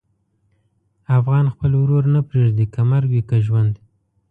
افغان خپل ورور نه پرېږدي، که مرګ وي که ژوند.